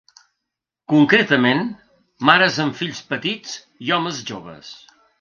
Concretament, mares amb fills petits i homes joves.